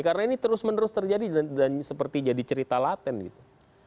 karena ini terus menerus terjadi dan seperti jadi cerita laten gitu